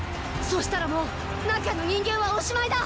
そうしたらもう中の人間はおしまいだ！